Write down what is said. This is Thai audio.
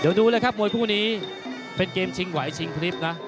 เดี๋ยวดูเลยครับมวยคู่นี้เป็นเกมชิงไหวชิงพลิบนะ